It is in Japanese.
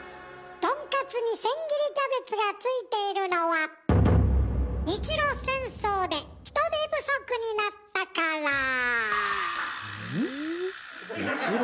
とんかつに千切りキャベツがついているのは日露戦争で人手不足になったから。